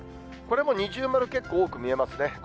これも二重丸、結構多く見えますね。